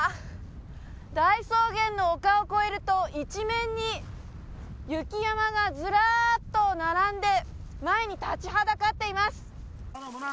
大草原の丘を越えると一面に雪山がズラッと並んで前に立ちはだかっています